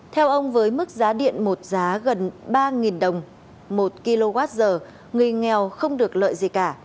theo ông với mức giá điện một giá gần ba đồng một kwh người nghèo không được lợi gì cả